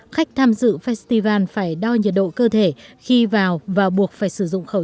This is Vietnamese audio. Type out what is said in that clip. khách tham dự festival phải đo nhiệt độ cơ thể khi vào và buộc phải sử dụng khẩu trang